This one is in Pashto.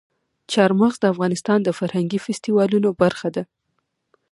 چار مغز د افغانستان د فرهنګي فستیوالونو برخه ده.